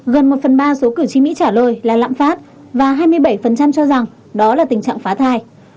gần một phần ba số cử tri mỹ trả lời là lạm phát và hai mươi bảy cho rằng đó là tình trạng phá thai